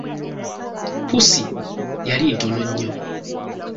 Pussi yali ntono nnyo.